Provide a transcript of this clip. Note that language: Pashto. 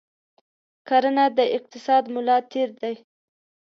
کرنه د اقتصاد ملا تیر دی.